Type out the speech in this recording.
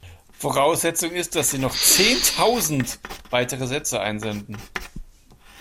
Voraussetzung ist, dass Sie noch zehntausend weitere Sätze einsenden.